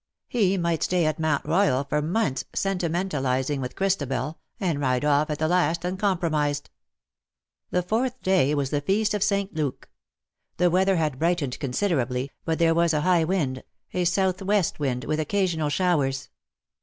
He might stay at Mount Royal for months sentimentalizing with Christabel, and ride off at the last uncompromised. The fourth day was the Feast of St. Luke. The weather had brightened considerably, but there was a high wind — a south west wind, with occasional showers.